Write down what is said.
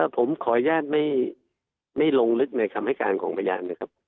ผมขออนุญาตไม่ลงลึกในคำให้การของพยานนะครับ